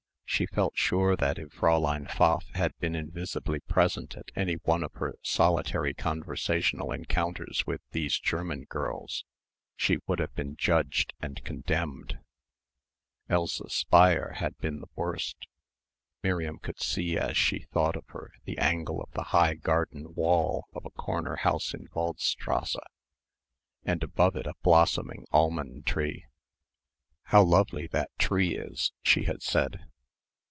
She felt sure that if Fräulein Pfaff had been invisibly present at any one of her solitary conversational encounters with these German girls she would have been judged and condemned. Elsa Speier had been the worst. Miriam could see as she thought of her, the angle of the high garden wall of a corner house in Waldstrasse and above it a blossoming almond tree. "How lovely that tree is," she had said.